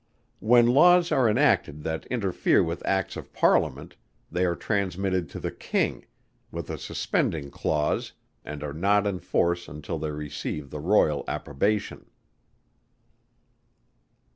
When laws are enacted that interfere with Acts of Parliament, they are transmitted to the King, with a suspending clause, and are not in force until they receive the royal approbation.